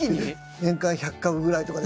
年間１００株ぐらいとかで。